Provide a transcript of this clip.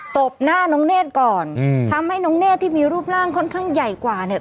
บหน้าน้องเนธก่อนอืมทำให้น้องเนธที่มีรูปร่างค่อนข้างใหญ่กว่าเนี่ย